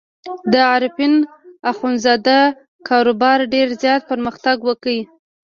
د عارفین اخندزاده کاروبار ډېر زیات پرمختګ وکړ.